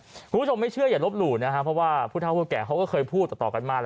คุณผู้ชมไม่เชื่ออย่าลบหลู่นะครับเพราะว่าผู้เท่าผู้แก่เขาก็เคยพูดต่อกันมา